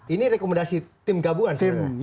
ini rekomendasi tim gabuan sebenarnya